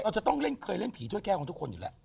จะต้องเล่นเคยเล่นผีถ้วยแก้วของทุกคนอยู่แล้ว